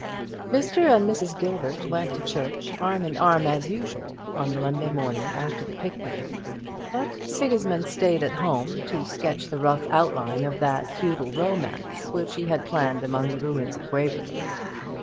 Mr. and Mrs. Gilbert went to church arm in arm as usual on the morning after the picnic; but Sigismund stayed at home to sketch the rough outline of that feudal romance which he had planned among the ruins of Waverly.